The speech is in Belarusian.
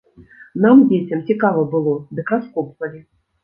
Нам, дзецям, цікава было, дык раскопвалі.